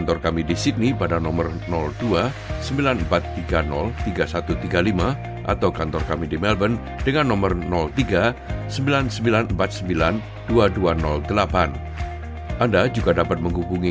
sampai jumpa di video selanjutnya